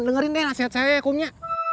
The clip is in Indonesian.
dengarin deh nasihat saya kum ya